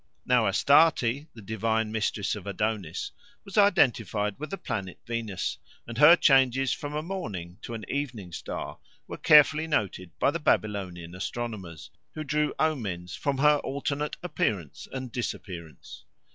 Now Astarte, the divine mistress of Adonis, was identified with the planet Venus, and her changes from a morning to an evening star were carefully noted by the Babylonian astronomers, who drew omens from her alternate appearance and disappearance.